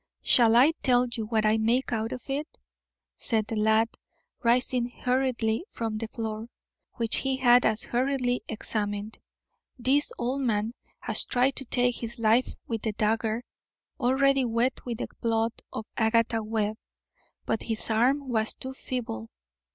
"Shall I tell you what I make out of it?" said the lad, rising hurriedly from the floor, which he had as hurriedly examined. "This old man has tried to take his life with the dagger already wet with the blood of Agatha Webb. But his arm was too feeble.